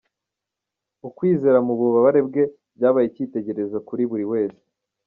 Ukwizera mu bubabare bwe byabaye icyitegererezo kuri buri wese.